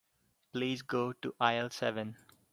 Please go to aisle seven.